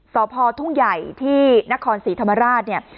สพทุ่งใหญ่ที่นครศรีธรรมราชเนี่ย